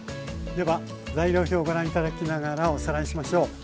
では材料表をご覧頂きながらおさらいしましょう。